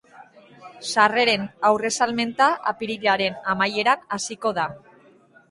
Sarreren aurresalmenta apirilaren amaieran hasiko da.